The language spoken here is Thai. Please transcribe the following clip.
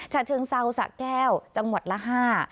ชะเชิงเศร้าสะแก้วจังหวัดละ๕